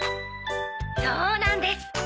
そうなんです。